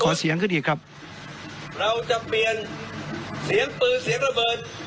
เสียงขึ้นอีกครับเราจะเปลี่ยนเสียงปืนเสียงระเบิด